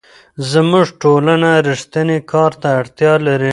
زموږ ټولنه رښتیني کار ته اړتیا لري.